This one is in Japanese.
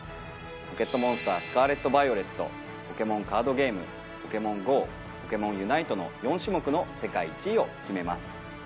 「ポケットモンスタースカーレット・バイオレット」「ポケモンカードゲーム」「ポケモンＧＯ」「ポケモンＵＮＩＴＥ」の４種目の世界１位を決めます。